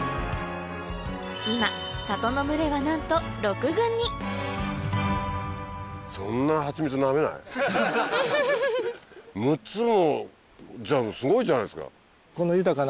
今里の群れはなんと６つもすごいじゃないですか。